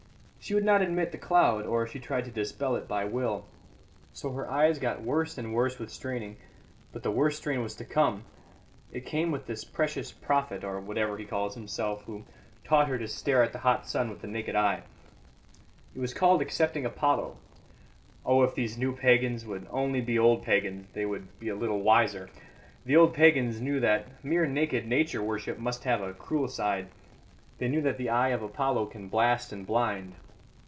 She would not admit the cloud; or she tried to dispel it by will. So her eyes got worse and worse with straining; but the worst strain was to come. It came with this precious prophet, or whatever he calls himself, who taught her to stare at the hot sun with the naked eye. It was called accepting Apollo. Oh, if these new pagans would only be old pagans, they would be a little wiser! The old pagans knew that mere naked Nature worship must have a cruel side. They knew that the eye of Apollo can blast and blind."